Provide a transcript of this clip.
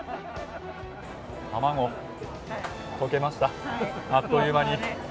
卵、溶けました、あっという間に。